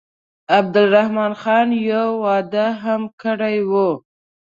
عبدالرحمن خان یو واده هم کړی وو.